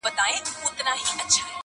چي له مځکي تر اسمانه پاچاهان یو!